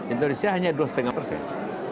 indonesia hanya dua lima persen